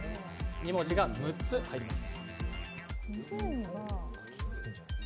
２文字が６つ入ります。